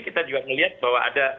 kita juga melihat bahwa ada